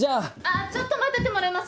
・ちょっと待っててもらえます？